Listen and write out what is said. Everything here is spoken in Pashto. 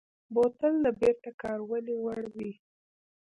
بوتل د بېرته کارونې وړ وي.